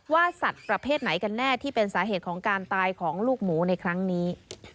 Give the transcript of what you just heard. สัตว์ประเภทไหนกันแน่ที่เป็นสาเหตุของการตายของลูกหมูในครั้งนี้